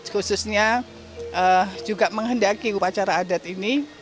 khususnya juga menghendaki upacara adat ini